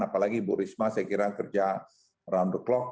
apalagi bu risma saya kira kerja run the clock